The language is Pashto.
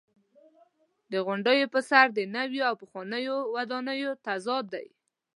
د غونډیو پر سر د نویو او پخوانیو ودانیو تضاد دی.